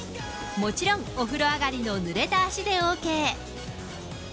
もちろん、お風呂上がりのぬれた足でＯＫ。